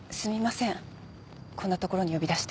こんな所に呼び出して。